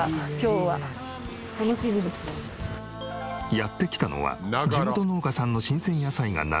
やって来たのは地元農家さんの新鮮野菜が並ぶ朝ドラ女優